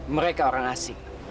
mereka orang asing